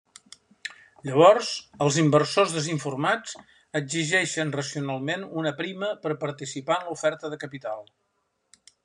Llavors els inversors desinformats exigeixen racionalment una prima per participar en l'oferta de capital.